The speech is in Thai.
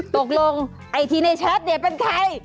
ตกลงไอ้ทีเนเชิดเด็ดเป็นใคร